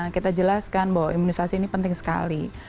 kita jelaskan bahwa imunisasi ini penting sekali